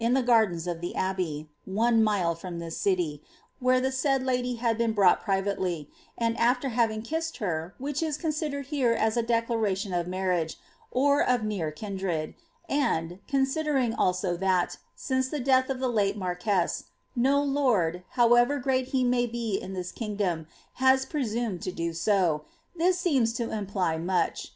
149 the gardens of the Abbey, one mile from this city,' where the said lady had been brought privately ; and afler having kissed her, which is con« tklered here as a declaration of nfiarriage, or of near kindred, and, con* aidering also that, since the death of the late marquess,' no lord, however great he may be in this kingdom, has presumed to do so, this seems to imply much.